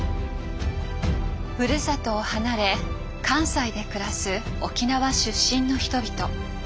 ふるさとを離れ関西で暮らす沖縄出身の人々。